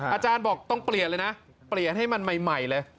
อาจารย์บอกต้องเปลี่ยนเลยนะเปลี่ยนให้มันใหม่เลย